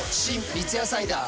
三ツ矢サイダー』